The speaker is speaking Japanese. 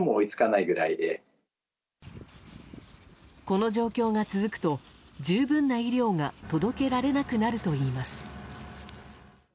この状況が続くと十分な医療が届けられなくなるといいます。